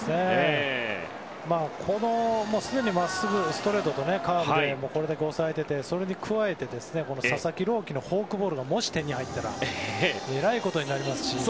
すでにまっすぐ、ストレートとカーブで、これだけ抑えていてそれに加えて佐々木朗希のフォークボールがもしてに入ったらえらいことになりますし。